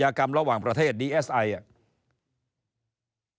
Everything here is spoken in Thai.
ท่านบอกว่าไม่สามารถที่จะส่งหนังสือไปถึงประเทศกัมพูชาได้